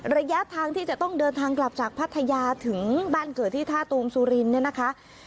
ระยะทางที่จะต้องเดินทางกลับจากพัทยาถึงบ้านเกิดที่ท่าตูมสุรินเนี่ยนะคะ